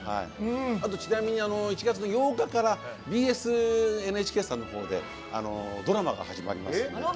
あとちなみに１月の８日からＢＳＮＨＫさんのほうでドラマが始まります。